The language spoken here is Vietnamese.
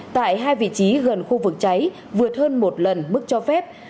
tại hai vị trí gần khu vực cháy vượt hơn một lần mức cho phép